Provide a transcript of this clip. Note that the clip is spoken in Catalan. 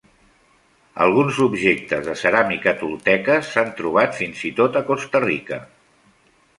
Alguns objectes de ceràmica tolteques s'han trobat fins i tot a Costa Rica.